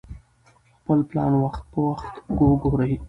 خپل پلان وخت په وخت وګورئ.